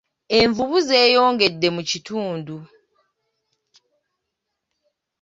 Envubu zeeyongedde mu kitundu.